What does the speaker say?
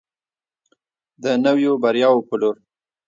د نویو بریاوو په لور.